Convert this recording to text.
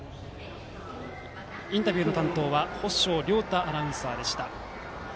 インタビューの担当は法性亮太アナウンサーでした。